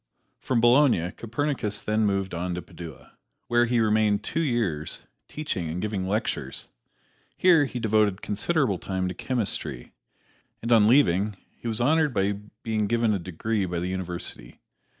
From Bologna Copernicus then moved on to Padua, where he remained two years, teaching and giving lectures. Here he devoted considerable time to chemistry, and on leaving he was honored by being given a degree by the University.